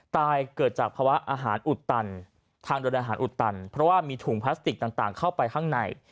เกิดจากภาวะอาหารอุดตันทางเดินอาหารอุดตันเพราะว่ามีถุงพลาสติกต่างเข้าไปข้างใน